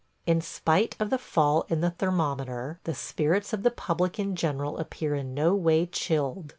In spite of the fall in the thermometer, the spirits of the public in general appear in no way chilled.